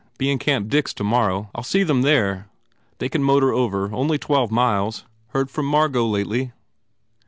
Be in Camp Dix tomorrow. I ll see them there. They can motor over. Only twelve miles. Heard from Margot lately?"